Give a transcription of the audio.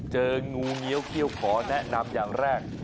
เจองูเงี้ยวเขี้ยวขอแนะนำอย่างแรก